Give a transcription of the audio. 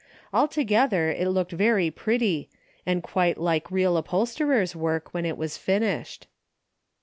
Altogether it looked very pretty, and quite like real upholsterer's work when it was finished.